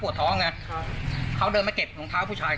พี่จะเอาเรื่องไหม